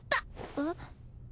えっ？